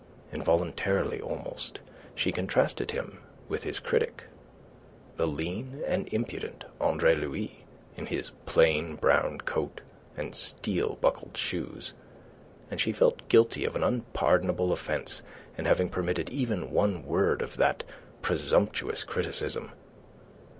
Involuntarily almost, she contrasted him with his critic the lean and impudent Andre Louis in his plain brown coat and steel buckled shoes and she felt guilty of an unpardonable offence in having permitted even one word of that presumptuous criticism.